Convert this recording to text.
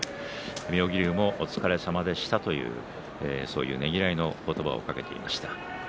妙義龍も、お疲れさまでしたとそういうねぎらいの言葉をかけていました。